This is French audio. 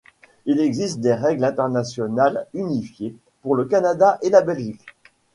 Il existe des règles internationales, unifiées pour le Canada et la Belgique.